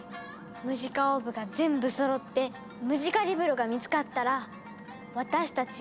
ムジカオーブが全部そろってムジカリブロが見つかったら私たち